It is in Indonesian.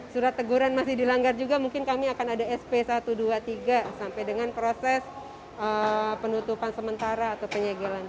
surat teguran masih dilanggar juga mungkin kami akan ada sp satu ratus dua puluh tiga sampai dengan proses penutupan sementara atau penyegelan